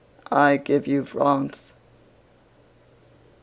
I give you France!